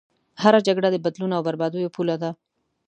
هره جګړه د بدلون او بربادیو پوله ده.